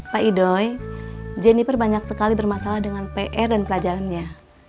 pak idoy jenniper banyak sekali bermasalah dengan pr dan pelajarannya